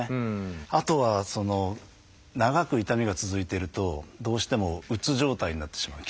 あとは長く痛みが続いてるとどうしてもうつ状態になってしまう。